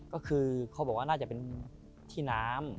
ก็คือเขาบอกว่าน่าจะเป็นที่น้ำ